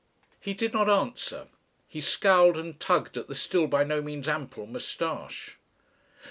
He did not answer. He scowled and tugged at the still by no means ample moustache.